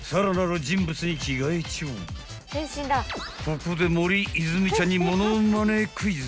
［ここで森泉ちゃんに物まねクイズ］